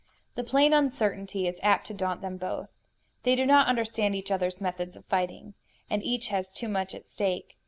The plain uncertainty is apt to daunt them both. They do not understand each other's methods of fighting. And each has too much at stake.